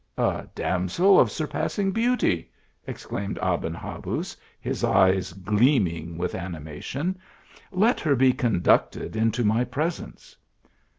"A damsel of surpassing beauty!" exclaimed Aben Habuz, his eyes gleaming with animation : 120 TUE ALIIAMBRA. " let her be conducted into my presence."